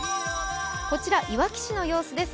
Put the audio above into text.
こちらいわき市の様子です。